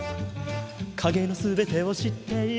「影の全てを知っている」